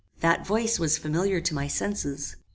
That voice was familiar to my senses.